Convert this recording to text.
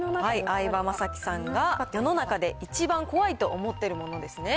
相葉雅紀さんが世の中で一番怖いと思ってるものですね。